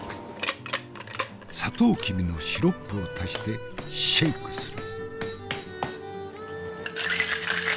サトウキビのシロップを足してシェイクする。